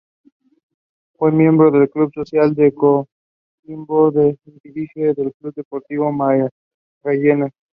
Fue miembro del Club Social de Coquimbo y dirigente del Club Deportivo Magallanes.